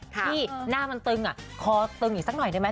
ที่หน้ามันตึงคอตึงอีกสักหน่อยได้ไหม